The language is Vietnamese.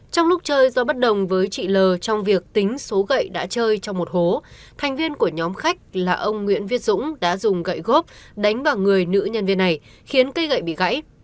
trong lúc chơi do bất đồng với chị l trong việc tính số gậy đã chơi trong một hố thành viên của nhóm khách là ông nguyễn viết dũng đã dùng gậy gốc đánh vào người nữ nhân viên này khiến cây gậy bị gãy